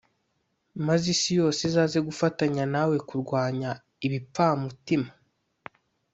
maze isi yose izaze gufatanya na we kurwanya ibipfamutima.